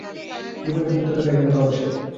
জীবনে কবিত্ব থাকা একান্ত আবশ্যক।